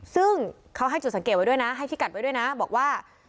ซึ่งเขาให้จุดสังเกตไว้ด้วยนะให้พี่กัดไว้ด้วยนะบอกว่า